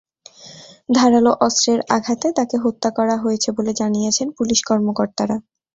ধারালো অস্ত্রের আঘাতে তাঁকে হত্যা করা হয়েছে বলে জানিয়েছেন পুলিশ কর্মকর্তারা।